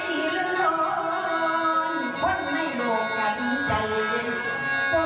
เกรงมาจากห้าสวยหัวขี้ยาห้าสาโจ